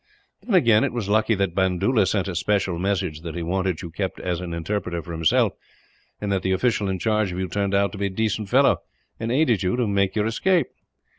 Then again, it was lucky that Bandoola sent a special message that he wanted you kept as an interpreter for himself, and that the official in charge of you turned out a decent fellow, and aided you to make your escape.